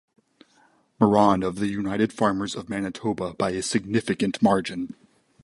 Marron of the United Farmers of Manitoba by a significant margin.